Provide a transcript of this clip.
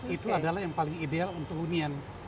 itu adalah yang paling ideal untuk hunian